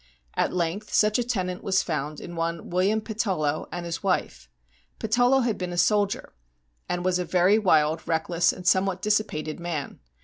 At length such a tenant was found in one William Patullo and his wife. Patullo had been a soldier, and was a very wild, reck less, and somewhat dissipated man.